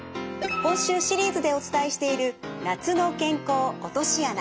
今週シリーズでお伝えしている「夏の健康“落とし穴”」。